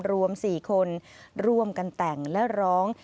รวม๔คนร่วมกันแต่งและร้อง